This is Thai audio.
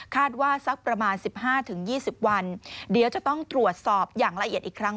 สักประมาณ๑๕๒๐วันเดี๋ยวจะต้องตรวจสอบอย่างละเอียดอีกครั้ง